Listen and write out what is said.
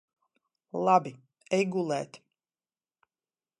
Labi. Ej gulēt.